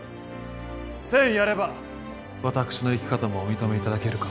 １，０００やれば私の生き方もお認め頂けるか。